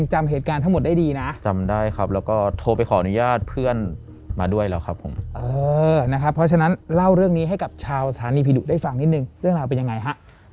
ชาวฐานีพีดุได้ฟังนิดนึงเรื่องราวเป็นอย่างไรฮะ